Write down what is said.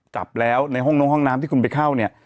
จับแล้วในห้องน้องห้องน้ำที่คุณไปเข้าเนี่ย